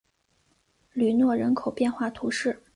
吕诺人口变化图示